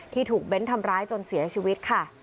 ที่ถูกเบ้นทำร้ายจนเสียชีวิตค่ะ